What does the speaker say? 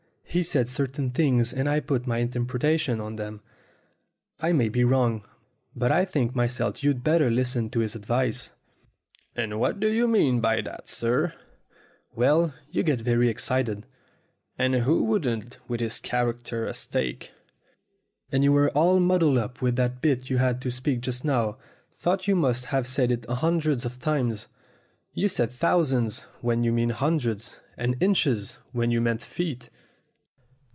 He said certain things, and I put my interpretation on them. I may be wrong; but I think myself you'd better listen to his advice." "And what do you mean by that, sir ?" "Well, you get very excited." "And who wouldn't, with his character at stake?" "And you were all muddled up with that bit you had to speak just now, though you must have said it hundreds of times. You said thousands when you meant hundreds, and inches when you meant feet.